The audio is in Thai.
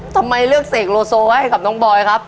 ทำไมเลือกเสกโลโซไว้ให้กับน้องบอยครับ